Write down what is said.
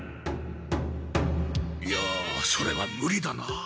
いやそれはムリだな。